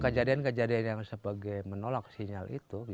kejadian kejadian yang sebagai menolak sinyal itu